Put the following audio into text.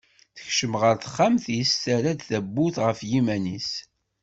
Tekcem ɣer texxamt-is terra-d tawwurt ɣef yiman-is.